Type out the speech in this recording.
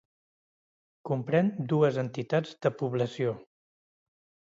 Comprèn dues entitats de població: